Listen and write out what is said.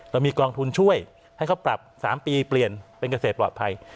เรามีกองทุนช่วยให้เขาปรับ๓ปีเปลี่ยนเป็นเกษตรปลอดภัย